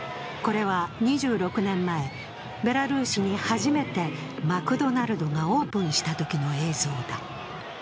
これは２６年前、ベラルーシに初めてマクドナルドがオープンしたときの映像だ。